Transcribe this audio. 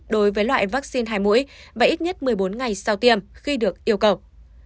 đối với loại vaccine hai mũi và ít nhất một mươi bốn ngày sau tiêm khi được yêu cầu